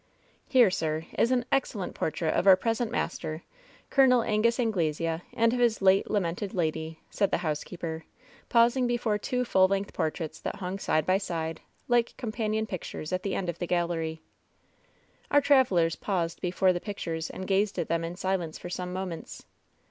"Here, sir, is an excellent portrait of our present mas ter, Col. Angus Anglesea, and of his late lamented lady," said the housekeeper, pausing before two full length por* traits that hung side by side, like companion pictures, at the end of the gallery. 2S6 LOVE'S BITTEREST CUP Our travelers paused before the pictures and gazed at them in silence for some moments.